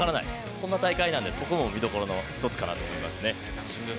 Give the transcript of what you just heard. そんな大会なのでそこも見どころの１つかなと思います。